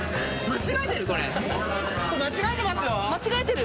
間違えてる？